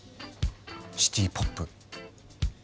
シティ・ポップ。